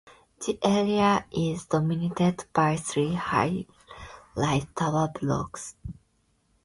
The area is dominated by Three high rise tower blocks.